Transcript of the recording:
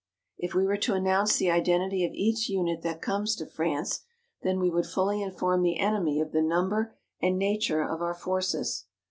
"If we were to announce the identity of each unit that comes to France, then we would fully inform the enemy of the number and nature of our forces.